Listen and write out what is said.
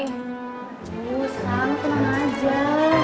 aduh sangka aja